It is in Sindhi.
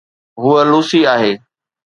هوءَ لوسي آهي